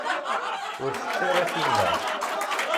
Ur tett ara tinna.